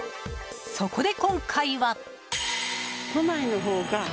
そこで今回は。